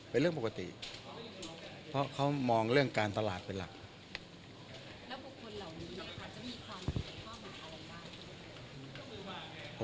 เป็นเรื่องปกติเพราะพวกเขามองเรื่องความสลาดเป็นหลัก